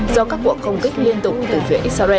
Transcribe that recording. do các bộ công kích liên tục từ phía israel